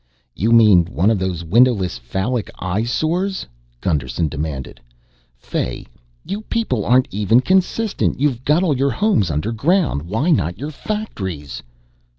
"You mean one of those windowless phallic eyesores?" Gusterson demanded. "Fay, you people aren't even consistent. You've got all your homes underground. Why not your factories?"